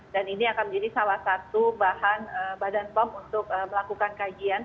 dan ini akan menjadi salah satu bahan badan bom untuk melakukan kajian